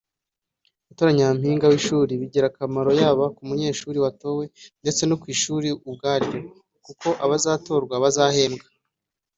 “Gutora Nyampinga w’ishiri bigira akamaro yaba ku munyeshuri watowe ndetse no ku ishuri ubwaryo kuko abazatorwa bazahembwa